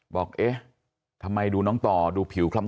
บอกเอ๊ะทำไมดูน้องต่อดูผิวคล้ำ